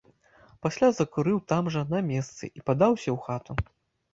Пасля закурыў там жа, на месцы, і падаўся ў хату.